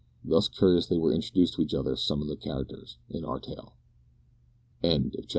Thus curiously were introduced to each other some of the characters in our tale. CHAPTER TWO.